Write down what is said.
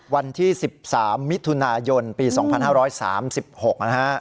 วันที่๑๓มิถุนายนปี๒๕๓๖นะฮะ